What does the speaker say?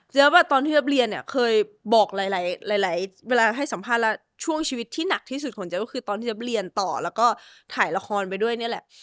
แล้วตอนที่เจี๊บเรียนเนี่ยเคยบอกหลายเวลาให้สัมภาษณ์แล้วช่วงชีวิตที่หนักที่สุดของเจฟก็คือตอนที่เจี๊ยบเรียนต่อแล้วก็ถ่ายละครไปด้วยนี่แหละ